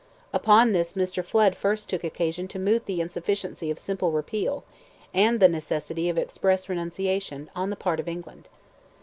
Upon this Mr. Flood first took occasion to moot the insufficiency of "simple repeal," and the necessity of "express renunciation," on the part of England.